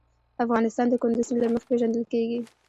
افغانستان د کندز سیند له مخې پېژندل کېږي.